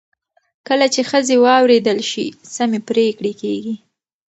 کله چې ښځې واورېدل شي، سمې پرېکړې کېږي.